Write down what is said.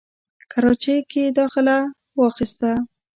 کراچۍ کښې داخله واخسته،